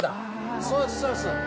そうですそうです。